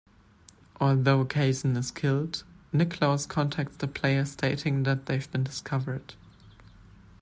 Although Kaysen is killed, Nicklaus contacts the player stating that they've been discovered.